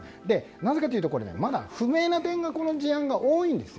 なぜかというと、まだ不明な点がこの事案は多いんです。